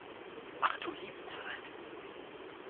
Ach du liebe Zeit!